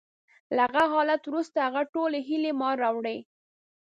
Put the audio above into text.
له هغه حالت وروسته، هغه ټولې هیلې ما راوړې